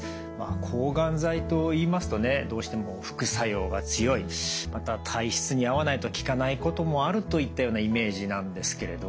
抗がん剤といいますとねどうしても副作用が強いまた体質に合わないと効かないこともあるといったようなイメージなんですけれど。